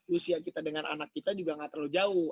usia kita dengan anak kita juga gak terlalu jauh